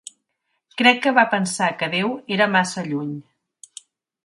Crec que va pensar que Déu era massa lluny.